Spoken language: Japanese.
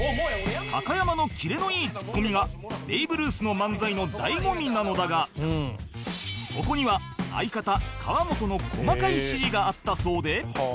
高山のキレのいいツッコミがベイブルースの漫才の醍醐味なのだがそこには相方河本の細かい指示があったそうで